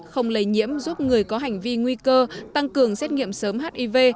không lây nhiễm giúp người có hành vi nguy cơ tăng cường xét nghiệm sớm hiv